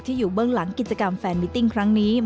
อยู่เบื้องหลังกิจกรรมแฟนมิติ้งครั้งนี้